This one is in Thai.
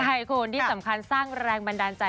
ใช่คุณที่สำคัญสร้างแรงบันดาลใจ